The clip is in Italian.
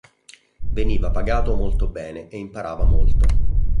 Veniva pagato molto bene e imparava molto.